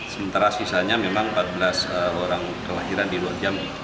sementara sisanya memang empat belas orang kelahiran di luar jambi